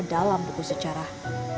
dalam buku sejarah